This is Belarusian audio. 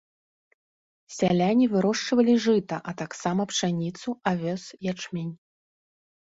Сяляне вырошчвалі жыта, а таксама пшаніцу, авёс, ячмень.